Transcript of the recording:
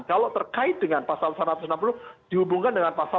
kalau terkait dengan pasal satu ratus enam puluh dihubungkan dengan pasal